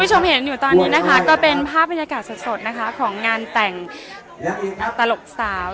วิชมเห็นตอนนี้นะคะเป็นภาพบรรยากาศสดของงานแต่งตลกสาว